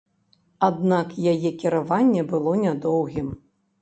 Аднак яе кіраванне было нядоўгім.